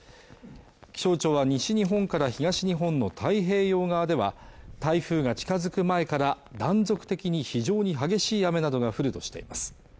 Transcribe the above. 気象庁は西日本から東日本の太平洋側では台風が近づく前から断続的に非常に激しい雨などが降るとしています